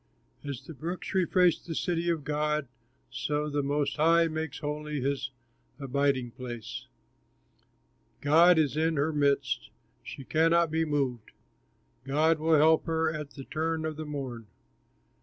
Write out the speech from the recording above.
As the brooks refresh the city of God, So the Most High makes holy his abiding place; God is in her midst, she cannot be moved, God will help her at the turn of the morn.